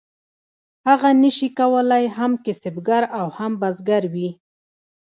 هغه نشو کولی هم کسبګر او هم بزګر وي.